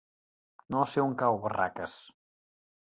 No sé on cau Barraques.